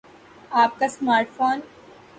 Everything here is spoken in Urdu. آپ کا سمارٹ فون